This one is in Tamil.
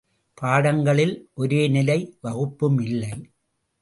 பாடங்களில், ஒரே நிலை வகுப்பும் இல்லை.